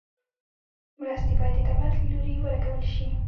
مرستې باید د دولت له لوري ولګول شي.